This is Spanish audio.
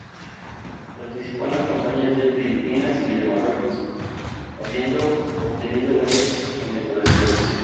Participó en las campañas de Filipinas y de Marruecos, habiendo obtenido varias condecoraciones.